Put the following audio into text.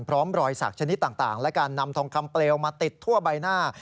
รอยสักชนิดต่างและการนำทองคำเปลวมาติดทั่วใบหน้า